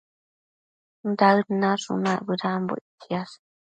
Daëd nashunac bëdanbo ictsiash